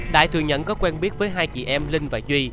đại thừa nhận có quen biết với hai chị em linh và duy